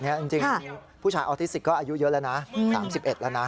เป็นจริงผู้ชายออทิสติกก็อายุเยอะแล้วนะ